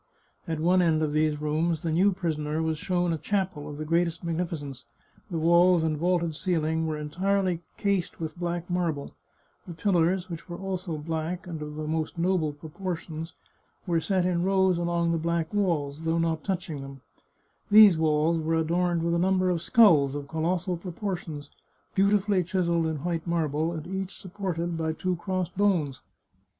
At one end of these rooms the new prisoner was shown a chapel of the greatest magnificence — the walls and vaulted ceiling were entirely cased with black marble; the pillars, which were also black, and of the most noble proportions, were set in rows along the black walls, though not touching them ; these walls were adorned with a number of skulls of colossal proportions, beautifully chiselled in white marble, and each supported by two crossed bones.